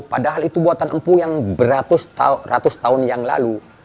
padahal itu buatan empuk yang beratus tahun yang lalu